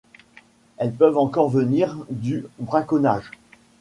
Elles peuvent encore venir du braconnage.